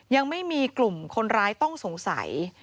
ยังไม่มีกลุ่มคนร้ายต้องสงสัย